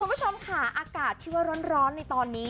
คุณผู้ชมค่ะอากาศที่ว่าร้อนในตอนนี้